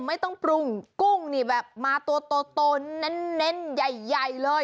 ไม่ต้องปรุงกุ้งนี่แบบมาตัวโตเน้นใหญ่เลย